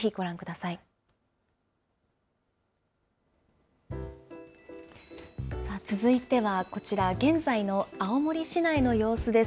さあ、続いてはこちら、現在の青森市内の様子です。